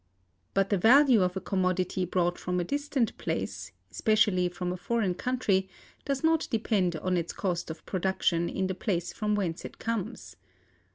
But the value of a commodity brought from a distant place, especially from a foreign country, does not depend on its cost of production in the place from whence it comes.